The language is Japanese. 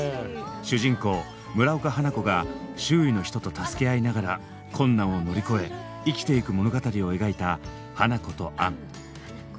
主人公村岡花子が周囲の人と助け合いながら困難を乗り越え生きていく物語を描いた「花子とアン」。